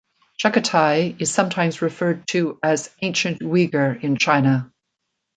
Chagatai is sometimes referred to as ‘ancient Uyghur’ in China.